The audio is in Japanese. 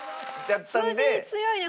数字に強いね